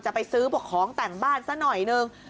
ไปซื้อพวกของแต่งบ้านซะหน่อยนึง